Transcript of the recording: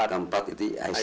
anak keempat itu aisyah